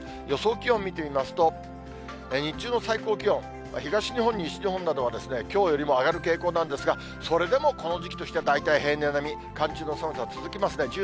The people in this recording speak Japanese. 予想気温見てみますと、日中の最高気温、東日本、西日本などはきょうよりも上がる傾向なんですが、それでもこの時期としては、大体平年並み、寒中の寒さは続きますね。